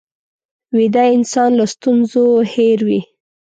ویده انسان له ستونزو هېر وي